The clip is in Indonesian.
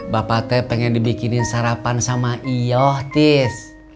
bapak teh pengen dibikinin sarapan sama iohtis